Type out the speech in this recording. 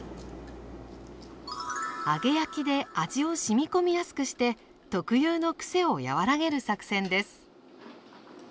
揚げ焼きで味をしみこみやすくして特有のくせを和らげる作戦です。